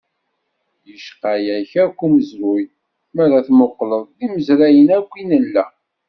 Yecqa-yaɣ akk umezruy, mara tmuqleḍ, d imezrayen akk i nella.